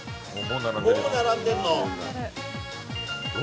もう並んでるの？